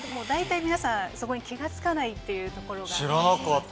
だいたい皆さんそこに気が付かないっていうところが。